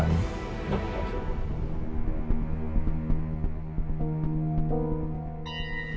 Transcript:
apalagi ada korban